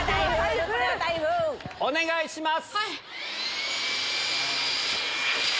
お願いします！